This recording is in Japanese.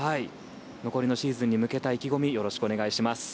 残りのシーズンに向けた意気込みお願いします。